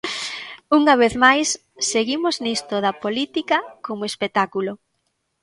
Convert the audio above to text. Unha vez máis seguimos nisto da Política como espectáculo.